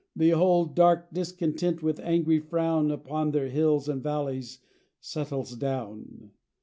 Behold dark discontent with angry frown Upon their hills and valleys settles down.